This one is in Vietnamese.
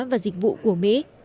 và dịch vụ của mỹ